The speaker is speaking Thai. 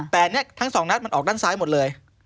แต่ทั้ง๒นัดมันออกด้านซ้ายหมดเลย